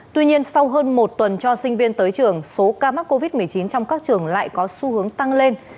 tuy nhiên sau hơn một tuần cho sinh viên tới trường số ca mắc covid một mươi chín trong các trường lại có xu hướng tăng lên